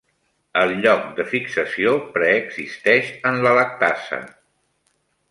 El lloc de fixació preexisteix en la lactasa.